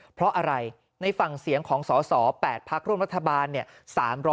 เพราะอะไรในฟังเสียงของสส๘พรรคร่วมรัฐบาล